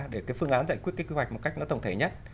để phương án giải quyết quy hoạch một cách tổng thể nhất